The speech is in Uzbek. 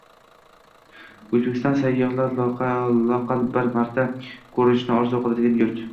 O‘zbekiston – sayyohlar loaqal bir marta ko‘rishni orzu qiladigan yurt